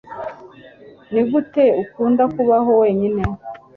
Nigute ukunda kubaho wenyine?